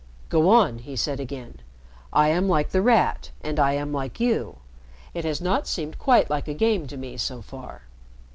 "Go on," he said again. "I am like The Rat and I am like you. It has not seemed quite like a game to me, so far."